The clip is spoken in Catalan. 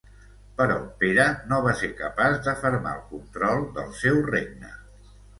Però Pere no va ser capaç d'afermar el control del seu regne.